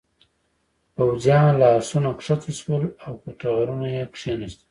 پوځيان له آسونو کښته شول او پر ټغرونو یې کېناستل.